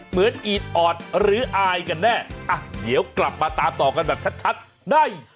อีดออดหรืออายกันแน่อ่ะเดี๋ยวกลับมาตามต่อกันแบบชัดได้